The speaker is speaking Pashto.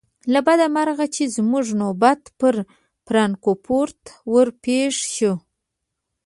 له بده مرغه چې زموږ نوبت پر فرانکفورت ور پیښ شو.